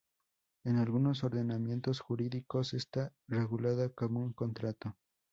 En algunos ordenamientos jurídicos está regulada como un contrato.